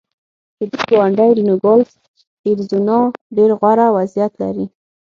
د دوی ګاونډی نوګالس اریزونا ډېر غوره وضعیت لري.